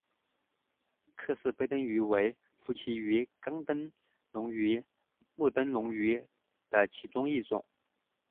克氏背灯鱼为辐鳍鱼纲灯笼鱼目灯笼鱼科的其中一种。